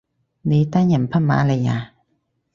你單人匹馬嚟呀？